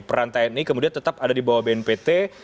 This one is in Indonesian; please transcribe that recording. peran tni kemudian tetap ada di bawah bnpt